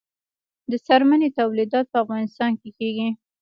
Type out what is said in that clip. د څرمنې تولیدات په افغانستان کې کیږي